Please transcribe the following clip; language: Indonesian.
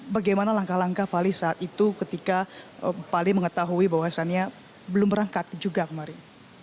bagaimana langkah langkah pak ali saat itu ketika pak ali mengetahui bahwasannya belum berangkat juga kemarin